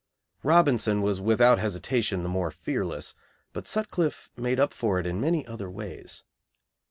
Robinson was without hesitation the more fearless, but Sutcliffe made up for it in many other ways.